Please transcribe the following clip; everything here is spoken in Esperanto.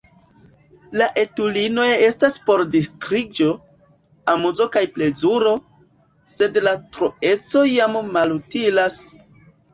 La etulinoj estas por distriĝo, amuzo kaj plezuro, sed la troeco jam malutilas!